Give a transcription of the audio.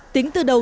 tính từ đầu